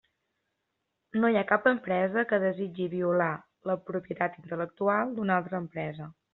No hi ha cap empresa que desitgi violar la propietat intel·lectual d'una altra empresa.